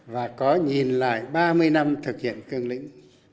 và có nhìn lại ba mươi năm thực hiện cương lĩnh